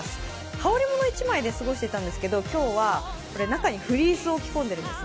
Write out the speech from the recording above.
羽織りもの１枚で過ごしていたんですけど今日は中にフリースを着込んでいます。